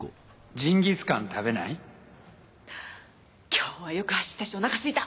今日はよく走ったしおなかすいた！